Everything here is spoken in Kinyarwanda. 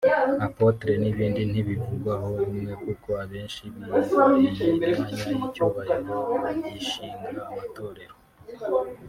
Apôtre n’ibindi ntibivugwaho rumwe kuko abenshi biha iyi myanya y’icyubahiro bagishinga amatorero